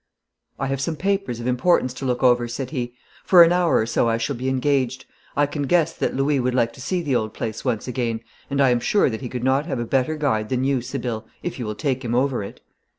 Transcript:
'I have some papers of importance to look over,' said he. 'For an hour or so I shall be engaged. I can guess that Louis would like to see the old place once again, and I am sure that he could not have a better guide than you, Sibylle, if you will take him over it.'